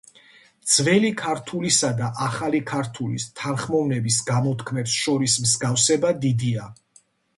ძველი ქართულისა და ახალი ქართულის თანხმოვნების გამოთქმებს შორის მსგავსება დიდია.